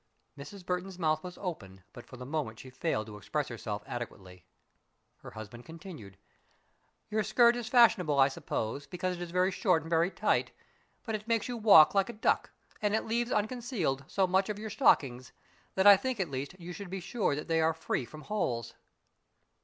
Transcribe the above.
Mrs. Burton's mouth was open but for the moment she failed to express herself adequately. Her husband continued. "Your skirt is fashionable, I suppose, because it is very short and very tight, but it makes you walk like a duck, and it leaves unconcealed so much of your stockings that I think at least you should be sure that they are free from holes."